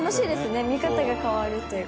見方が変わるというか。